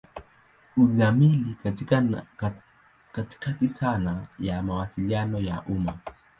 Uzamili katika sanaa ya Mawasiliano ya umma.